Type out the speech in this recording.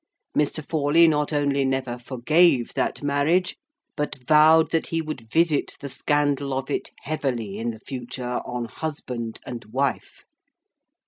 Mr. Forley not only never forgave that marriage, but vowed that he would visit the scandal of it heavily in the future on husband and wife.